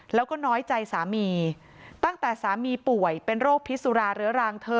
แล้วก็น้อยใจสามีตั้งแต่สามีป่วยเป็นโรคพิสุราเรื้อรังเธอ